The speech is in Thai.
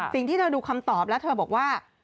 สิ่งที่เธอดูคำตอบแล้วเธอบอกว่า